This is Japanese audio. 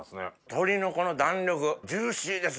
鶏のこの弾力ジューシーですね